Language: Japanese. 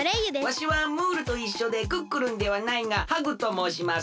わしはムールといっしょでクックルンではないがハグともうします。